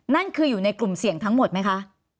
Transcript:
นั่นคืออยู่ในกลุ่มเสี่ยงทั้งหมดไหมคะ